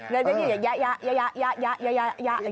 เรียนไว้อย่างเยอะ